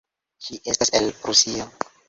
Ŝi estas el Rusio.